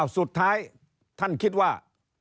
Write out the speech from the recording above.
สุดท้ายท่านคิดว่า